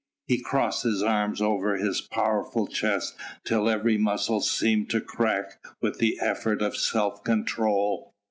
He crossed his arms over his powerful chest till every muscle seemed to crack with the effort of self control.